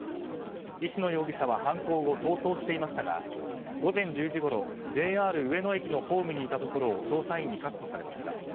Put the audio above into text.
石野容疑者は犯行後逃走していましたが午前１０時ごろＪＲ上野駅のホームにいたところを捜査員に確保されました。